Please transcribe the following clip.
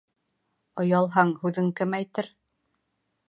Оялһаң, һүҙең кем әйтер?